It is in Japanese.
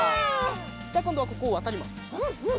じゃあこんどはここをわたります。